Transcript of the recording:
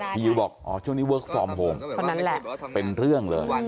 พี่ยิ้วบอกช่วงนี้เวิร์คฟอร์มโฮมเป็นเรื่องเลย